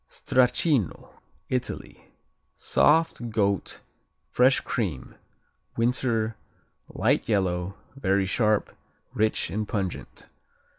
Stracchino Italy Soft; goat; fresh cream; winter; light yellow; very sharp, rich and pungent.